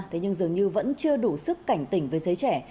thế nhưng dường như vẫn chưa đủ sức cảnh tỉnh với giới trẻ